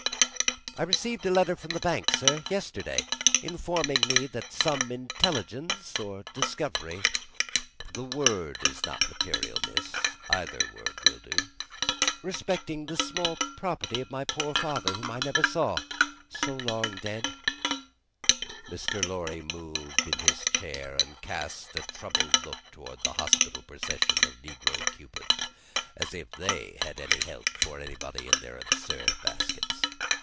"I received a letter from the Bank, sir, yesterday, informing me that some intelligence or discovery " "The word is not material, miss; either word will do." " respecting the small property of my poor father, whom I never saw so long dead " Mr. Lorry moved in his chair, and cast a troubled look towards the hospital procession of negro cupids. As if they had any help for anybody in their absurd baskets!